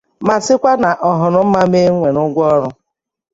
ma sịkwa na ọ hụrụ mma mee nwèrè ụgwọ ọrụ.